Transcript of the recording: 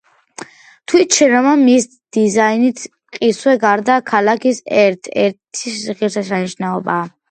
თვით შენობა, მისი დიზაინით, მყისვე გახდა ქალაქის ერთ-ერთი ღირსშესანიშნაობა.